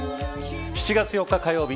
７月４日火曜日